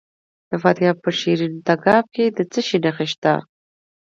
د فاریاب په شیرین تګاب کې د څه شي نښې دي؟